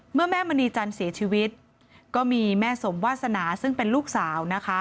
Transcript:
แม่มณีจันทร์เสียชีวิตก็มีแม่สมวาสนาซึ่งเป็นลูกสาวนะคะ